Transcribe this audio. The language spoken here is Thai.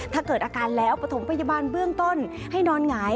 ถ้าเกิดอาการแล้วปฐมพยาบาลเบื้องต้นให้นอนหงาย